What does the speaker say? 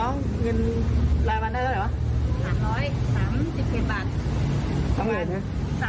สามร้อยสามสิบเก็บบาทสามสิบเก็บบาทสามร้อยสามสิบเก็บบาทค่ะ